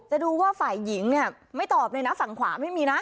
ดูว่าฝ่ายหญิงเนี่ยไม่ตอบเลยนะฝั่งขวาไม่มีนะ